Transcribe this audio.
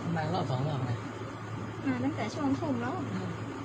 ทำไมรอสองแล้วไหม